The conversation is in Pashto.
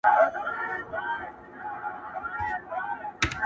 وچ لانده بوټي يې ټوله سوځوله!.